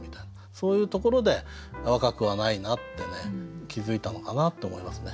そういうところで若くはないなってね気付いたのかなと思いますね。